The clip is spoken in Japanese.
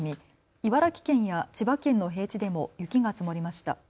茨城県や千葉県の平地でも雪が積もりました。